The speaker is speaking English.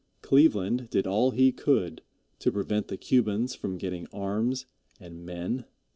Cleveland did all he could to prevent the Cubans from getting arms and men.